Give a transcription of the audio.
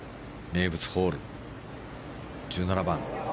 名物ホール、１７番。